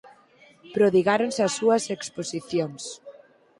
Prodigáronse as súas exposicións.